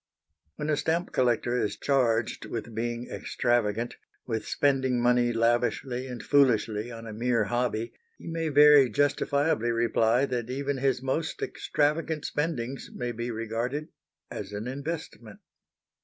When a stamp collector is charged with being extravagant, with spending money lavishly and foolishly on a mere hobby, he may very justifiably reply that even his most extravagant spendings may be regarded as an investment.